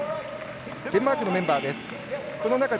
デンマークのマイボールです。